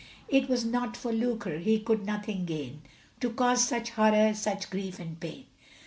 It was not for lucre, he could nothing gain, To cause such horror, such grief and pain.